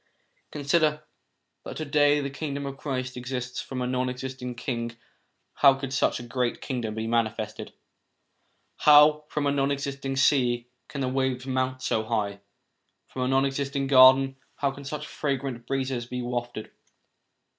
Consider that to day the Kingdom of Christ exists : from a non existing king how could such a great kingdom be manifested? How, from a non existing sea, can the waves mount so high? From a non existing garden, how can such fragrant breezes be wafted